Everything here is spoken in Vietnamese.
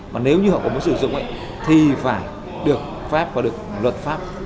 mà nếu như họ có muốn sử dụng thì phải được pháp và được luật pháp